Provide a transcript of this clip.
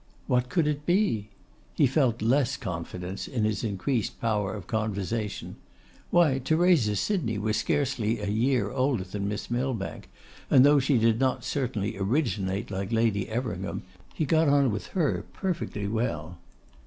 What could it be? He felt less confidence in his increased power of conversation. Why, Theresa Sydney was scarcely a year older than Miss Millbank, and though she did not certainly originate like Lady Everingham, he got on with her perfectly well.